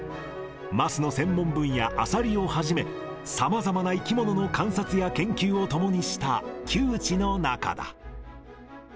桝の専門分野、アサリをはじめ、さまざまな生き物の観察や研究を共にした旧知の仲だ。